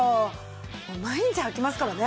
毎日はきますからね。